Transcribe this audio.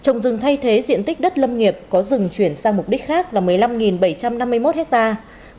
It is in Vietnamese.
trồng rừng thay thế diện tích đất lâm nghiệp có rừng chuyển sang mục đích khác là một mươi năm bảy trăm năm mươi một hectare